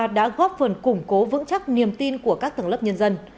đảng nhà nước ta đã góp phần củng cố vững chắc niềm tin của các tầng lớp nhân dân